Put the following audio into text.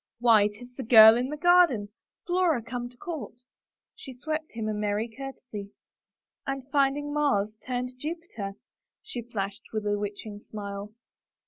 " Why, 'tis the girl in the garden — Flora come to court !" She swept him a merry courtesy. " And finding Mars turned Jupiter," she flashed with a witching smile.